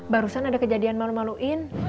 barusan ada kejadian malu maluin